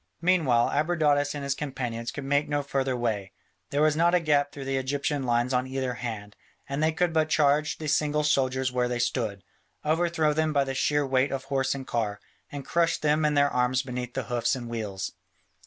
Meanwhile Abradatas and his companions could make no further way: there was not a gap through the Egyptian lines on either hand, and they could but charge the single soldiers where they stood, overthrow them by the sheer weight of horse and car, and crush them and their arms beneath the hoofs and wheels.